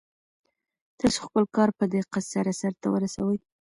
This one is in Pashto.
تاسو خپل کار په دقت سره سرته ورسوئ.